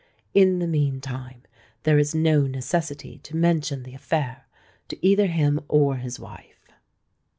In the meantime there is no necessity to mention the affair to either him or his wife."